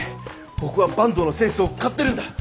僕は坂東のセンスを買ってるんだ。